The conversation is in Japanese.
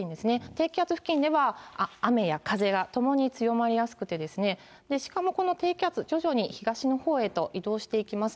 低気圧付近では、雨や風がともに強まりやすくて、しかもこの低気圧、徐々に東のほうへと移動していきます。